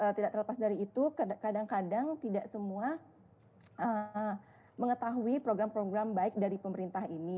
tidak terlepas dari itu kadang kadang tidak semua mengetahui program program baik dari pemerintah ini